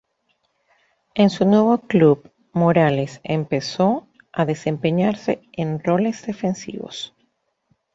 En su nuevo club, Morales empezó a desempeñarse en roles defensivos.